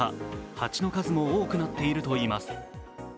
蜂の数も多くなっているといいいます。